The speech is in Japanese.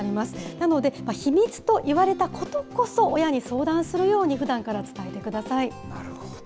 なので、秘密と言われたことこそ、親に相談するようにふだんから伝なるほど。